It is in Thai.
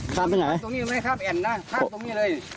ข้ามที่ไหนตรงนี้มันไม่ข้ามแอ่นนะข้ามตรงนี้เลย